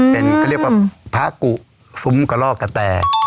ก็เรียกว่าพระกุสุมกระล่อกกระแตน